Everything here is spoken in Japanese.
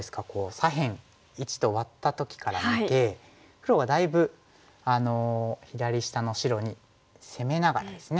左辺①とワッた時から見て黒はだいぶ左下の白に攻めながらですね。